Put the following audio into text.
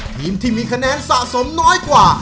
ทีมที่มีคะแนนสะสมน้อยกว่า